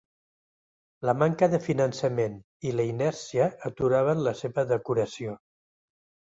La manca de finançament i la inèrcia aturaven la seva decoració.